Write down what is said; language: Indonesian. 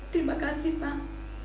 terima kasih pak